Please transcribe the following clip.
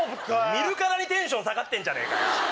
見るからにテンション下がってんじゃねえかよ！